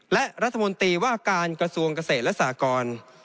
และรัฐมนตรีว่าการกระทรวงเกษตรและสากร